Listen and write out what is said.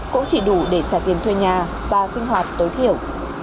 cũng chỉ đủ để trả tiền thuê nhà và sinh hoạt tối thiểu